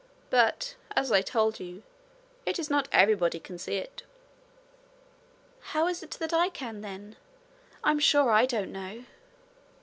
But, as I told you, it is not everybody can see it.' 'How is it that I can, then? I'm sure I don't know.'